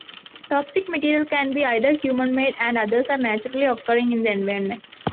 Toxic material can be either human-made and others are naturally occurring in the environment.